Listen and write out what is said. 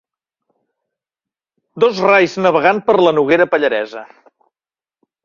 Dos rais navegant per la Noguera Pallaresa.